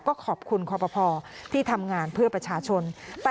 ก็ขอบคุณคอปภที่ทำงานเพื่อประชาชน